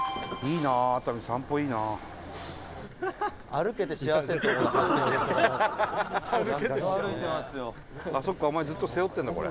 伊達：そっか、お前ずっと背負ってるんだ、これ。